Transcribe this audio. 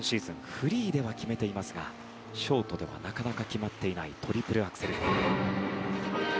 フリーでは決めていますがショートではなかなか決まっていないトリプルアクセル。